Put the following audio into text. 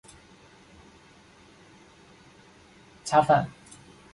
恰饭